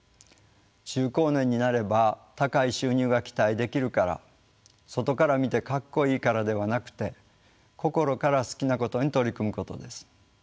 中高年になれば「高い収入が期待できるから」「外から見てかっこいいから」ではなくて心から好きなことに取り組むことです。